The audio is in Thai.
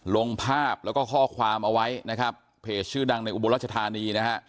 ลงภาพแล้วก็ข้อความเอาไว้นะครับเพจชื่อดังในอุบลรัชธานีนะฮะ